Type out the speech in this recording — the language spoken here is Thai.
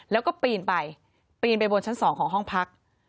แล้วก็ปีนไปปีนไปบนชั้น๒ของห้องพัก